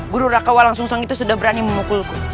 guru raka walang sung sung itu sudah berani memukulku